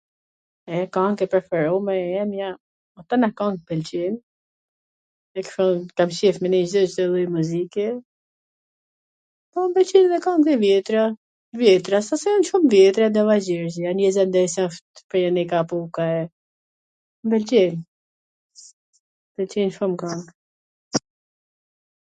e kangt e preferume emja tana kangt m pwlqejn, ... kam qef me nigju Cdo lloj muzike, po m pwlqen dhe kwngt e vjetra,,, t vjetra... se s jan shum t vjetra, dava ...., disa prej anej nga Puka, e, m pwlqejn, m pwlqejn shum kang